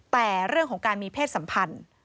แต่เรื่องของการมีเพศสัมพันธ์